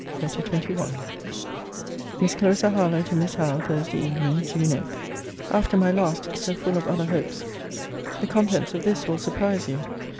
LETTER XXI MISS CLARISSA HARLOWE, TO MISS HOWE THURSDAY EVENING, JUNE 8. After my last, so full of other hopes, the contents of this will surprise you.